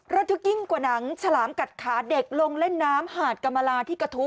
รัดทุกยิ่งกว่านั้นฉลามกัดขาเด็กรงเล่นน้ำหาดกัมมาลา